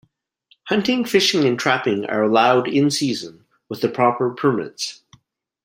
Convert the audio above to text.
Hunting, fishing and trapping are allowed in-season with the proper permits.